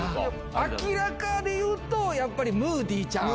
明らかでいうと、やっぱりムーディちゃん。